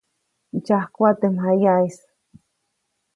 Ndsyajkuʼa teʼ mjayaʼis.